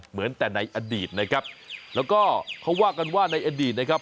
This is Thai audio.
เหมือนแต่ในอดีตนะครับแล้วก็เขาว่ากันว่าในอดีตนะครับ